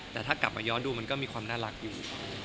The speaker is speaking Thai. แต่ถ้ากลับมาย้อนดูมันก็มีความน่ารักอยู่